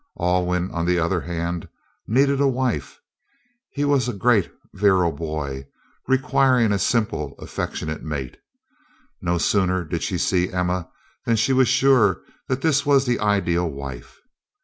Alwyn, on the other hand, needed a wife; he was a great, virile boy, requiring a simple, affectionate mate. No sooner did she see Emma than she was sure that this was the ideal wife.